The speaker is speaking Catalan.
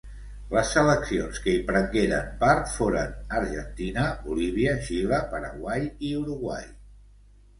Les seleccions que hi prengueren part foren Argentina, Bolívia, Xile, Paraguai, i Uruguai.